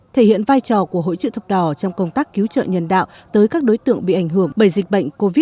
thể hiện vai trò của hội chữ thập đỏ trong công tác cứu trợ nhân đạo tới các đối tượng bị ảnh hưởng bởi dịch bệnh covid một mươi chín